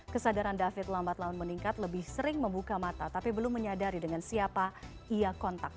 kesadaran david lambat laun meningkat lebih sering membuka mata tapi belum menyadari dengan siapa ia kontak